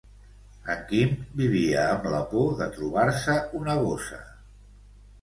En Quim vivia amb la por de trobar-se una gossa.